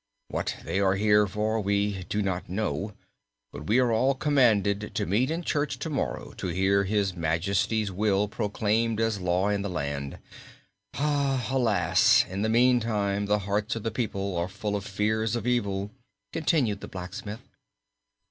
What they are here for we do not know, but we are all commanded to meet in church to morrow to hear his Majesty's will proclaimed as law in the land. Alas! in the meantime the hearts of the people are full of fears of evil," continued the blacksmith.